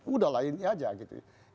udah lah ini aja gitu ya